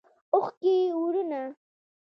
اوښکې اورونه